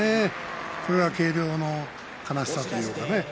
これが軽量の悲しさというかね